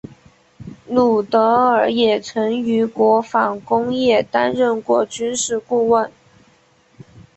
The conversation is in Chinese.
鲁德尔也曾于国防工业担任过军事顾问。